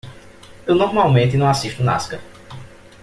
Eu normalmente não assisto Nascar.